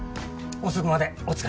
遅くまでお疲れさま。